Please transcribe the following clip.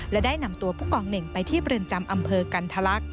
และได้นำตัวผู้กองเหน่งไปที่เรือนจำอำเภอกันทะลักษ